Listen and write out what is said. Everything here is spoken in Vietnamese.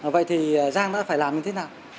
vậy thì giang đã phải làm như thế nào